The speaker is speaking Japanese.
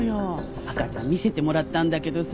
赤ちゃん見せてもらったんだけどさ